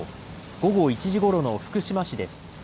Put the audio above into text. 午後１時ごろの福島市です。